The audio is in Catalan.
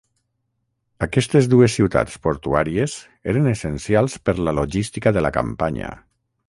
Aquestes dues ciutats portuàries eren essencials per la logística de la campanya.